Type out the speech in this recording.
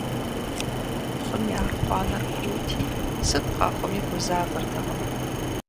ЛӀым и архъуанэр куути, сыт къэхъуми гузавэртэкъым.